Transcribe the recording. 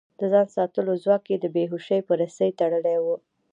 د ځان ساتلو ځواک يې د بې هوشۍ په رسۍ تړلی و.